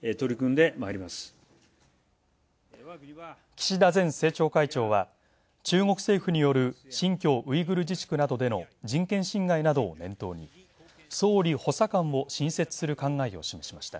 岸田前政調会長は、中国政府による新疆ウイグル自治区などでの人権侵害などを念頭に総理補佐官を新設する考えを示しました。